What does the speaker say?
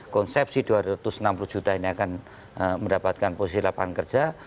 konsepsi dua ratus enam puluh juta ini akan mendapatkan posisi lapangan kerja